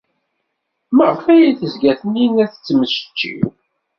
Maɣef ay tezga Taninna tettmecčiw?